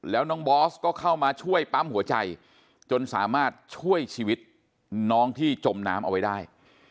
แล้วน้องบอสก็เข้ามาช่วยปั๊มหัวใจจนสามารถช่วยชีวิตน้องที่จมน้ำเอาไว้ได้